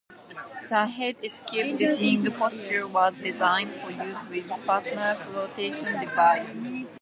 The Heat Escape Lessening Posture was designed for use with a Personal Floatation Device.